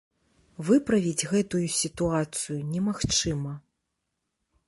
Выправіць гэтую сітуацыю немагчыма.